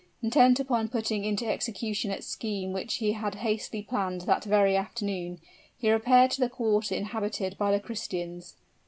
Intent upon putting into execution a scheme which he had hastily planned that very afternoon, he repaired to the quarter inhabited by the Christians.